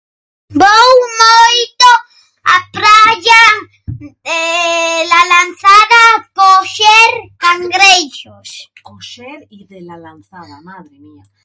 Vou moito a praia La Lanzada coxer cangreixos. Coxer y de La Lanzada, madre mía.